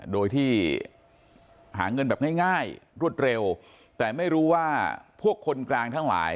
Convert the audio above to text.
โดยที่หาเงินแบบง่ายรวดเร็วแต่ไม่รู้ว่าพวกคนกลางทั้งหลาย